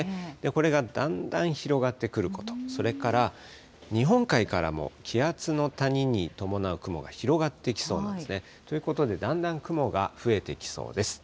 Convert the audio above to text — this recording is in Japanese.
これがだんだん広がってくること、それから日本海からも気圧の谷に伴う雲が広がってきそうなんですね。ということで、だんだん雲が増えてきそうです。